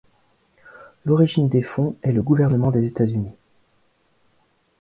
L'origine des fonds est le gouvernement des États-Unis.